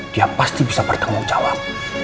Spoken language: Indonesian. dia pasti bisa bertanggung jawab